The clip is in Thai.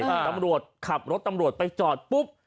ตำรวจขับรถตำรวจไปจอดปุ๊บ